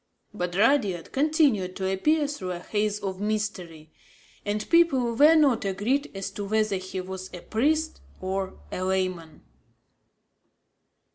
But Rudyard continued to appear through a haze of mystery; and people were not agreed as to whether he was a priest or a layman.